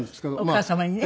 お母様にね。